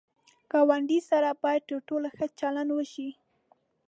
ګاونډي سره باید تر ټولو ښه چلند وشي